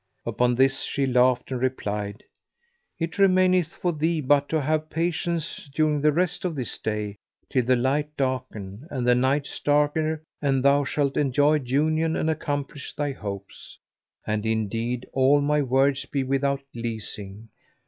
Upon this she laughed and replied, "It remaineth for thee but to have patience during the rest of this day till the light darken and the night starker and thou shalt enjoy union and accomplish thy hopes; and indeed all my words be without leasing."